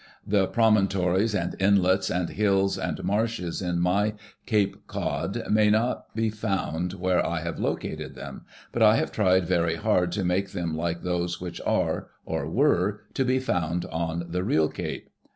The pi'omon tories and inlets and hills and marshes in 'my' Cape Cod may not be found where I have located them, but I have tried very hard to make them like those which are, or were, to be found on the real Cape.